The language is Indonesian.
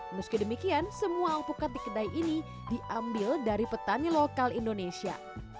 meski demikian semua alpukat di kedai ini diambil dari petani lokal indonesia